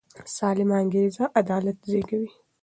سالمه انګیزه عدالت زېږوي